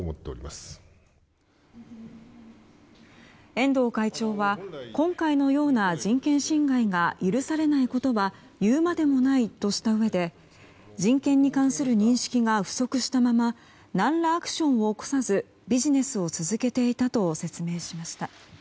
遠藤会長は今回のような人権侵害が許されないことは言うまでもないとしたうえで人権に関する認識が不足したまま何らアクションを起こさずビジネスを続けていたと説明しました。